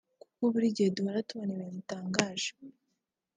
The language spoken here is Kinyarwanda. Kuko buri gihe duhora tubona ibintu bitangaje